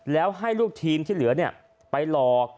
แล้วให้ลูกทีมที่เหลือไปหลอก